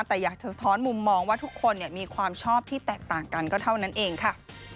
แต่อยากสะท้อนมุมมองว่าทุกคนมีความชอบที่แตกต่างกันก็เท่านั้นเองค่ะ